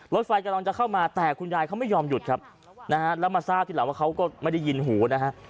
รถไฟกำลังจะเข้ามาแต่คุณยายเขาไม่ยอมหยุดครับนะฮะแล้วมาทราบทีหลังว่าเขาก็ไม่ได้ยินหูนะฮะ